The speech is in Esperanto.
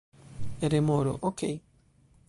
Remoro: "Okej."